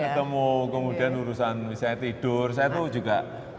ketemu kemudian urusan misalnya tidur saya itu juga